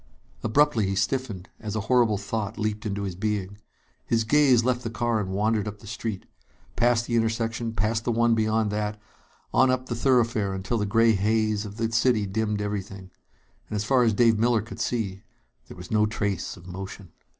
Abruptly he stiffened, as a horrible thought leaped into his being. His gaze left the car and wandered up the street. Past the intersection, past the one beyond that, on up the thoroughfare until the gray haze of the city dimmed everything. And as far as Dave Miller could see, there was no trace of motion.